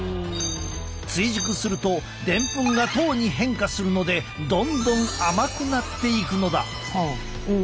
追熟するとでんぷんが糖に変化するのでどんどん甘くなっていくのだ。